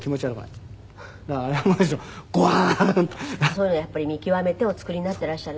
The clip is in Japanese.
そういうのをやっぱり見極めてお作りになってらっしゃる。